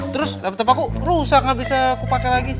terus laptop aku rusak gak bisa aku pakai lagi